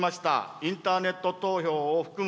インターネット投票を含む